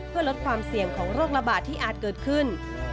เพื่อลดความเสี่ยงของโรคระบาดที่อาจเกิดขึ้น